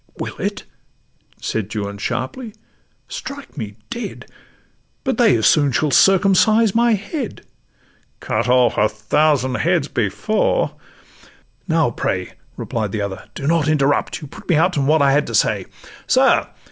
'Will it?' said Juan, sharply: 'Strike me dead, But they as soon shall circumcise my head! 'Cut off a thousand heads, before '—'Now, pray,' Replied the other, 'do not interrupt: You put me out in what I had to say. Sir!